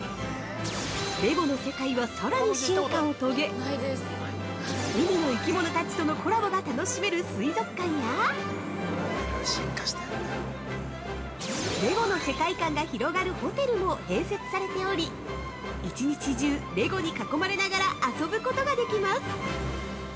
レゴの世界はさらに進化を遂げ海の生き物たちとのコラボが楽しめる水族館やレゴの世界観が広がるホテルも併設されており、一日中、レゴに囲まれながら遊ぶことができます。